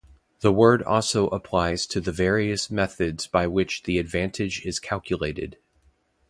The word also applies to the various methods by which the advantage is calculated.